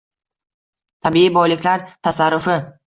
Tabiiy boyliklar tasarrufi.